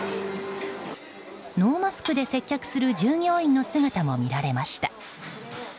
ノーマスクで接客する従業員の姿も見られました。